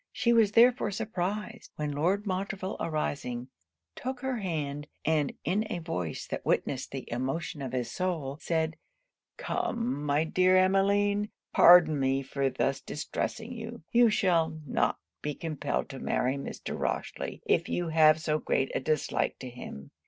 She was therefore surprized, when Lord Montreville arising, took her hand, and in a voice that witnessed the emotion of his soul, said 'Come, my dear Emmeline, pardon me for thus distressing you, you shall not be compelled to marry Mr. Rochely if you have so great a dislike to him.